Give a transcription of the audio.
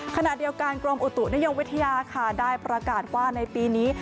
ขณะเดียวกันกรมอุตุนิยมวิทยาค่ะได้ประกาศว่าในปีนี้